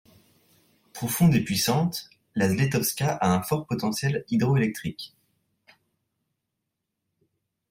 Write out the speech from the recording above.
Profonde et puissante, la Zletovska a un fort potentiel hydroélectrique.